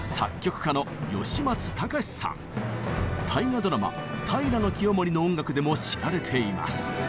大河ドラマ「平清盛」の音楽でも知られています。